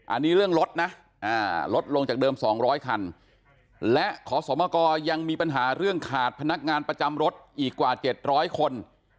อันนี้เรื่องรถนะลดลงจากเดิม๒๐๐คันและขอสมกรยังมีปัญหาเรื่องขาดพนักงานประจำรถอีกกว่า๗๐๐คน